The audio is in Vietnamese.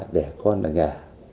đẻ con ở nhà